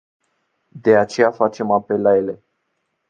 De aceea facem apel la ele.